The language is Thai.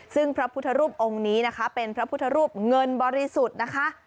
ซึ่งพระพุทธรูปองค์นี้นะคะเป็นพระพุทธรูปเงินบริสุทธิ์นะคะ